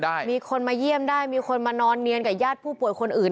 มีคนมาเยี่ยมได้มีคนมานอนเนียนกับญาติผู้ป่วยคนอื่น